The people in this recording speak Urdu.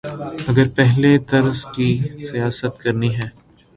اگر پہلے طرز کی سیاست کرنی ہے۔